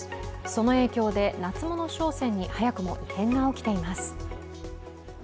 その影響で夏物商戦に早くも異変が起きています。